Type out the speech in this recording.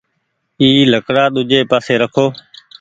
اي لڪڙآ ۮوجي پآسي رکو